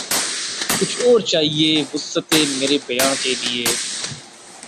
کچھ اور چاہیے وسعت مرے بیاں کے لیے